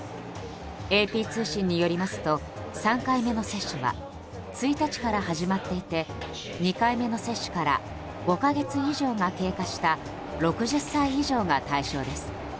ＡＰ通信によりますと３回目の接種は１日から始まっていて２回目の接種から５か月以上が経過した６０歳以上が対象です。